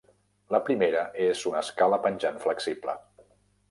La primera és una escala penjant flexible.